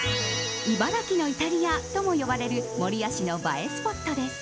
茨城のイタリアとも呼ばれる守谷市の映えスポットです。